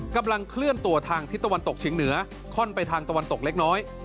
กำลังเคลื่อนตัวทางทิศตะวันตกเฉียงเหนือค่อนไปทางตะวันตกเล็กน้อย